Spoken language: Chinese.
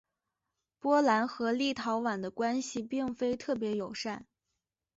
波兰和立陶宛的关系并非特别友善。